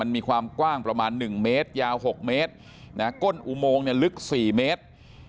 มีความกว้างประมาณ๑เมตรยาว๖เมตรก้นอุโมงลึก๔เมตร